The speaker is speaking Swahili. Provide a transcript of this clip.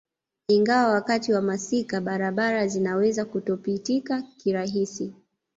Ingawa wakati wa masika barabara zinaweza kutopitika kirahisi